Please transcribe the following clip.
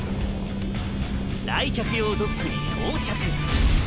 来客用ドックに到着。